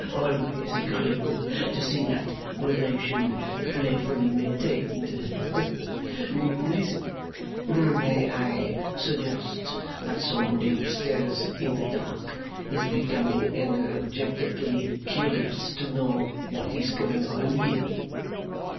Always agreeable to see that relation playfully maintained. Listen! May I suggest that somebody up stairs, in the dark, is becoming energetically curious to know what is going on here?